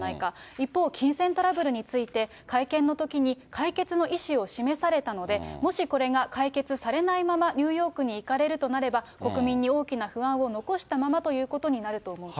一方、金銭トラブルについて、会見のときに解決の意思を示されたので、もしこれが解決されないままニューヨークに行かれるとなれば、国民に大きな不安を残したままということになると思うと。